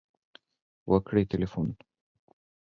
.وکړئ تلیفون